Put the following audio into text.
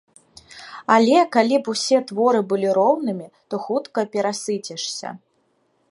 Але калі б усе творы былі роўнымі, то хутка перасыцішся.